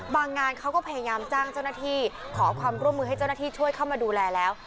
งานเขาก็พยายามจ้างเจ้าหน้าที่ขอความร่วมมือให้เจ้าหน้าที่ช่วยเข้ามาดูแลแล้ว